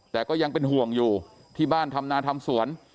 แต่ก็ยังเป็นห่วงอยู่ที่บ้านทำนาทำสวน